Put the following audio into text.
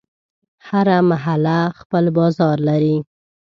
هره محله خپل بازار لري.